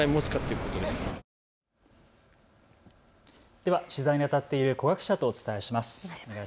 では取材にあたっている古賀記者とお伝えします。